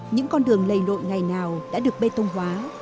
những con đường lầy nội ngày nào đã được bê tông hóa